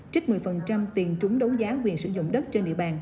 trích một mươi tiền trúng đấu giá quyền sử dụng đất trên địa bàn